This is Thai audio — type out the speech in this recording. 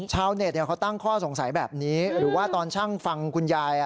ชาวเน็ตเขาตั้งข้อสงสัยแบบนี้หรือว่าตอนช่างฟังคุณยาย